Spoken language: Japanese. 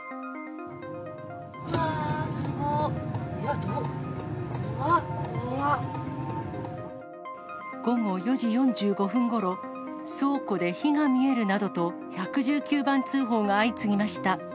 うわー、午後４時４５分ごろ、倉庫で火が見えるなどと、１１９番通報が相次ぎました。